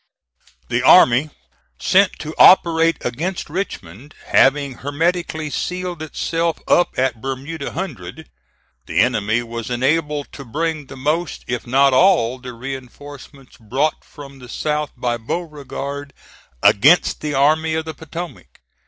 The army sent to operate against Richmond having hermetically sealed itself up at Bermuda Hundred, the enemy was enabled to bring the most, if not all, the reinforcements brought from the south by Beauregard against the Army of the Potomac.